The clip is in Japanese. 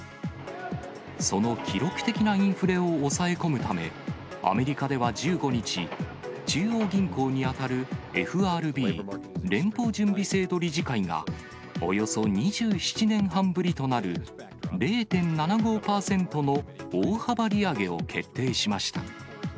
その記録的なインフレを抑え込むため、アメリカでは１５日、中央銀行に当たるＦＲＢ・連邦準備制度理事会が、およそ２７年半ぶりとなる、０．７５％の大幅利上げを決定しました。